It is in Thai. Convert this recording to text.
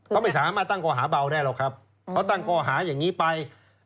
เขาไม่สามารถตั้งข้อหาเบาได้หรอกครับเขาตั้งข้อหาอย่างนี้ไป